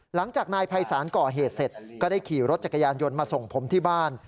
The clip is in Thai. หลังจากนายภัยศาลก่อเหตุเสร็จก็ได้ขี่รถจักรยานยนต์มาส่งผมที่บ้าน